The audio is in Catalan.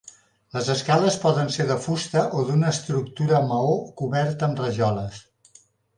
Les escales poden ser de fusta o d'una estructura maó coberta amb rajoles.